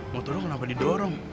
motor lu kenapa didorong